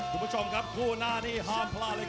คุณผู้ชมครับคู่หน้านี้ห้ามพลาดเลยครับ